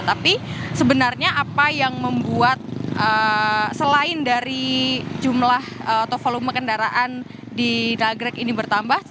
tapi sebenarnya apa yang membuat selain dari jumlah atau volume kendaraan di dagrek ini bertambah